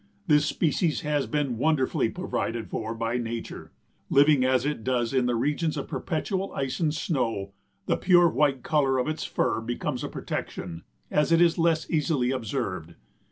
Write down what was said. This species has been wonderfully provided for by Nature. Living as it does in the regions of perpetual ice and snow, the pure white color of its fur becomes a protection, as it is less easily observed.